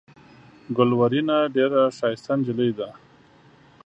ګلورينه ډېره ښائسته جينۍ ده۔